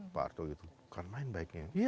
pak artug itu kemaren baiknya